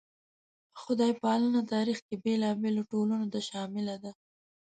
خدای پالنه تاریخ کې بېلابېلو ټولنو ته شامله ده.